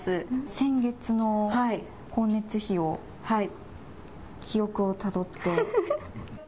先月の光熱費を記憶をたどって。